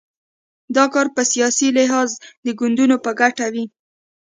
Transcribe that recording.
دا کار په سیاسي لحاظ د ګوندونو په ګټه وي.